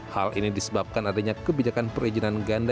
hal ini disebabkan adanya kebijakan perizinan ganda